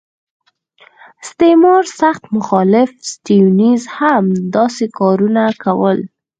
استعمار سخت مخالف سټیونز هم همداسې کارونه کول.